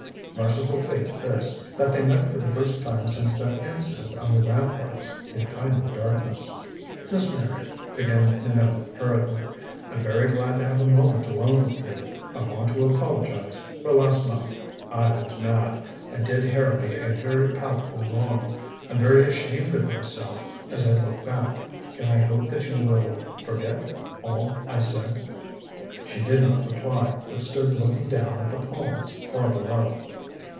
Merciful fate this, that they met for the first time since that incident on the ramparts in kindly darkness. "Miss Meyrick," began Minot hurriedly, "I'm very glad to have a moment alone with you. I want to apologize for last night I was mad I did Harrowby a very palpable wrong. I'm very ashamed of myself as I look back. Can I hope that you will forget all I said?" She did not reply, but stood looking down at the palms far below.